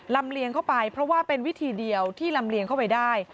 เลียงเข้าไปเพราะว่าเป็นวิธีเดียวที่ลำเลียงเข้าไปได้